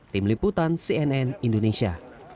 tim liputan cnn indonesia